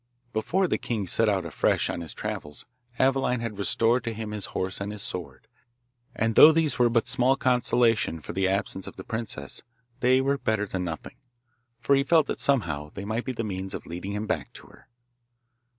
Before the king set out afresh on his travels Aveline had restored to him his horse and his sword, and though these were but small consolation for the absence of the princess, they were better than nothing, for he felt that somehow they might be the means of leading him back to her.